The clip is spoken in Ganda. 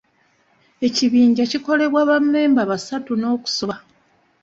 Ekibinja kikolebwa ba memba basatu n'okusoba.